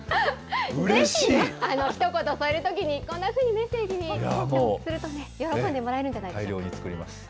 ひと言添えるときに、こんなふうにメッセージにするとね、喜んでもらえるんじゃないでしょうか。